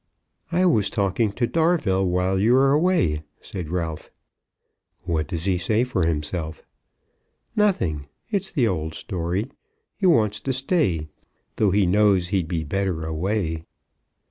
"I was talking to Darvell while you were away," said Ralph. "What does he say for himself?" "Nothing. It's the old story. He wants to stay, though he knows he'd be better away."